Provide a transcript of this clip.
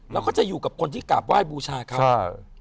แล้วก็จะอยู่กับคนที่กราบไหว้บูชาเขา